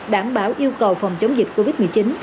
đảm bảo yêu cầu phòng chống dịch covid một mươi chín